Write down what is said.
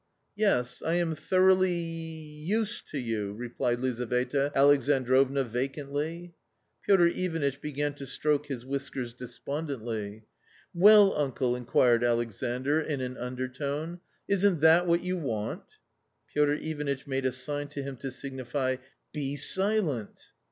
"Yes, I am thoroughly .... used to you," replied Lizaveta Alexandrovna vacantly. Piotr Ivanitch began to stroke his whiskers despon dently. "Well, uncle," inquired Alexandr, in an undertone, " isn't that jvhat you want? " Piotr Ivanitch made a sign to him to signify, "be silent."